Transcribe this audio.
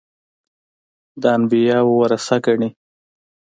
د انبیاوو ورثه ګڼي.